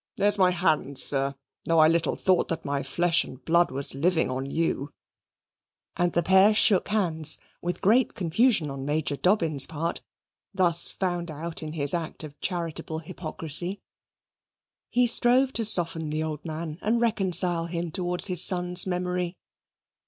There's my hand, sir, though I little thought that my flesh and blood was living on you " and the pair shook hands, with great confusion on Major Dobbin's part, thus found out in his act of charitable hypocrisy. He strove to soften the old man and reconcile him towards his son's memory.